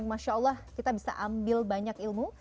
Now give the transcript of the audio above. masya allah kita bisa ambil banyak ilmu